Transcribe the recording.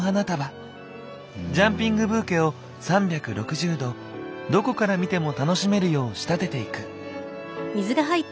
ジャンピングブーケを３６０度どこから見ても楽しめるよう仕立てていく。